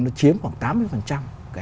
nó chiếm khoảng tám mươi phần trăm